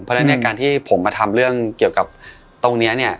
เพราะฉะนั้นในการที่ผมมาทำเรื่องเกี่ยวกับตรงนี้เนี่ย